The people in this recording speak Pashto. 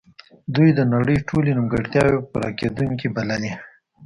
دوی د نړۍ ټولې نیمګړتیاوې پوره کیدونکې بللې